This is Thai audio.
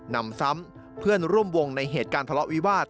นำซ้ำเพื่อนร่วมวงในเหตุการณ์ทะเลาะวิวาส